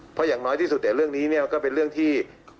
เพราะอย่างน้อยที่สุดแต่เรื่องนี้เนี่ยก็เป็นเรื่องที่